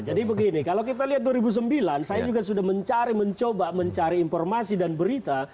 jadi begini kalau kita lihat dua ribu sembilan saya juga sudah mencari mencoba mencari informasi dan berita